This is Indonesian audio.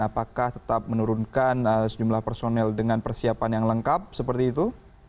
apakah tetap menurunkan sejumlah personel dengan persiapan yang lengkap seperti itu